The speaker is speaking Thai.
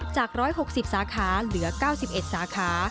จาก๑๖๐สาขาเหลือ๙๑สาขา